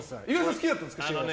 好きだったんですか？